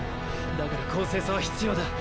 だから「公正さ」は必要だ。